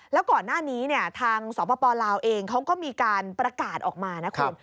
แล้วก่อนหน้านี้ทางสปลาวเองเขาก็มีการประกาศออกมานะคุณ